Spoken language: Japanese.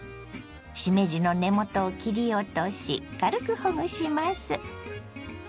しめじの根元を切り落とし軽くほぐします。